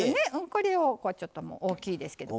これをちょっと大きいですけど。